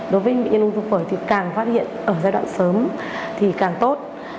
đối với bệnh nhân ung thư phổi thì càng phát hiện ở giai đoạn sớm thì càng tốt